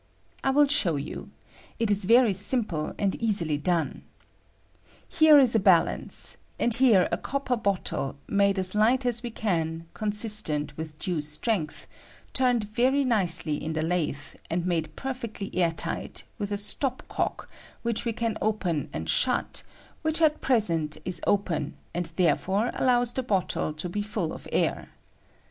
I will ahow you: it is very simple, and easily donef Here is a balance, and here a copper bottle made as light aa we can consistent with due strength, turned very nicely in the latho, and made perfectly air tight, with a stop cock, which we can open and shut, which at I 130 METHOD OF WEIGHING GASES. present is open, and, therefore, allows the bottle to be full of air.